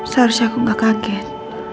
seharusnya aku nggak kaget